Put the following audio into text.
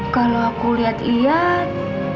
kalau aku liat liat